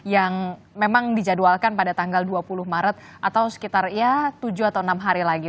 yang memang dijadwalkan pada tanggal dua puluh maret atau sekitar ya tujuh atau enam hari lagi